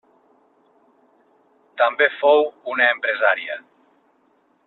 També fou una empresària.